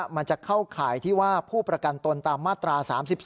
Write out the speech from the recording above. มันจะเข้าข่ายที่ว่าผู้ประกันตนตามมาตรา๓๒